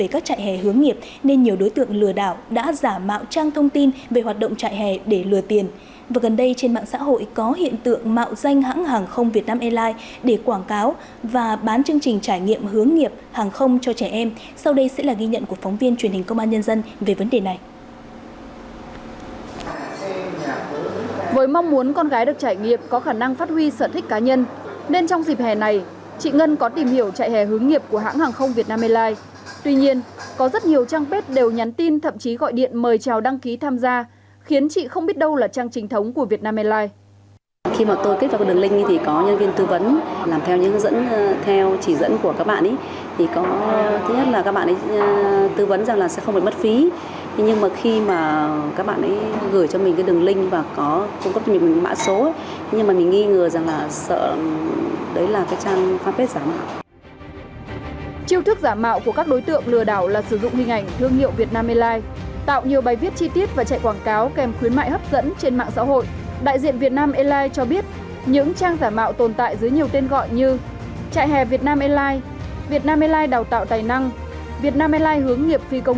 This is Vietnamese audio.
chạy hè việt nam airlines việt nam airlines đào tạo tài năng việt nam airlines hướng nghiệp phi công nhí việt nam airlines cùng bé chạy nghiệp những trang giả mạo này đã khiến không ít phụ huynh nhầm lẫn